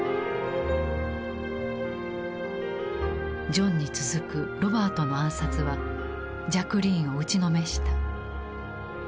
ジョンに続くロバートの暗殺はジャクリーンを打ちのめした。